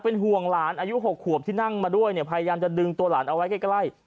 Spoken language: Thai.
เป็นห่วงหลานอายุ๖ขวบที่นั่งมาด้วยเนี่ยพยายามจะดึงตัวหลานเอาไว้ใกล้